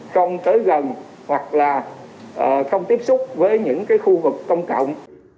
không tới gần hoặc là không tiếp xúc với những cái khu vực công cộng